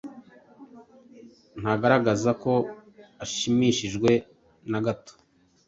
Ntagaragaza ko ashimishijwe na gato